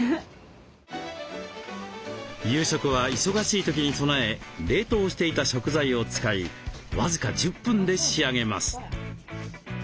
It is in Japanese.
夕食は忙しい時に備え冷凍していた食材を使い僅か１０分で仕上げます。